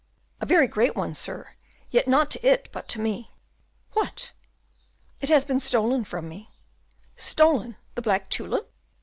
"A very great one, sir; yet not to it, but to me." "What?" "It has been stolen from me." "Stolen! the black tulip?"